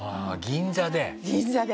銀座で。